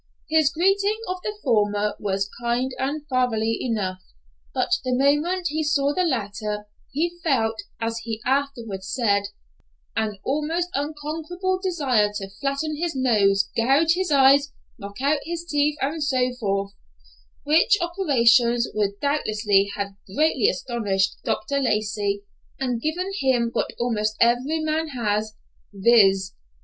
His greeting of the former was kind and fatherly enough, but the moment he saw the latter, he felt, as he afterward said, an almost unconquerable desire to flatten his nose, gouge his eyes, knock out his teeth and so forth, which operations would doubtless have greatly astonished Dr. Lacey and given him what almost every man has, viz.